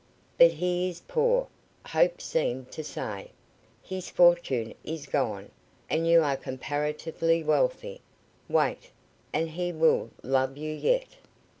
"But he is poor," Hope seemed to say; "his fortune is gone, and you are comparatively wealthy. Wait, and he will love you yet."